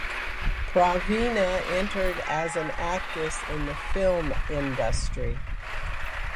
Praveena entered as an actress in the film industry.